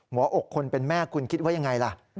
หัวอกคนเป็นแม่คุณคิดว่ายังไงล่ะ